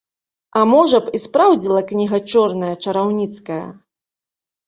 А можа б, і спраўдзіла кніга чорная чараўніцкая?